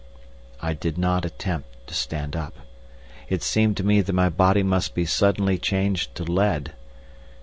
I did not attempt to stand up. It seemed to me that my body must be suddenly changed to lead.